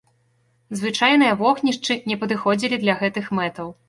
Звычайныя вогнішчы не падыходзілі для гэтых мэтаў.